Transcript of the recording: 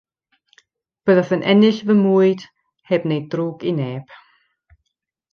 Byddaf yn ennill fy mwyd heb wneud drwg i neb.